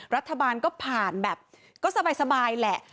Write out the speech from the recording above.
รัฐบาลก็ผ่านแบบก็สบายแหละ